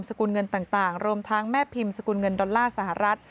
กุลเงินต่างรวมทั้งแม่พิมพ์สกุลเงินดอลลาร์สหรัฐ